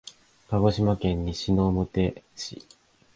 鹿児島県西之表市